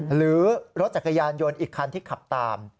หรือรถจักรยานยนต์อีกคันที่ขับตาม